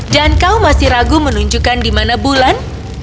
dan kau masih ragu menunjukkan di mana bulan